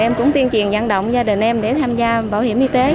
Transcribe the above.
em cũng tiên triền dặn động gia đình em để tham gia bảo hiểm y tế